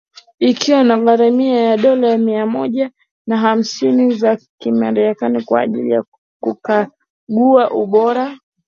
Ikiwa na gharama ya dola mia moja na hamsini za kimarekani kwa ajili ya kukagua ubora wa hewa kwenye jiji la Kampala.